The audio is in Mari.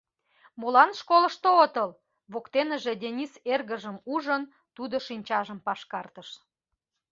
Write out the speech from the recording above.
Молан школышто отыл? — воктеныже Денис эргыжым ужын, тудо шинчажым пашкартыш.